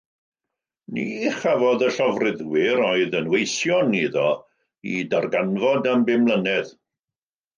Ni chafodd y llofruddwyr, oedd yn weision iddo, eu darganfod am bum mlynedd.